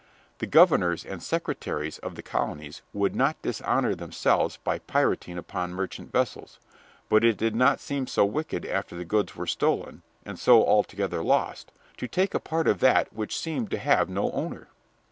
The governors and the secretaries of the colonies would not dishonor themselves by pirating upon merchant vessels, but it did not seem so wicked after the goods were stolen and so altogether lost to take a part of that which seemed to have no owner.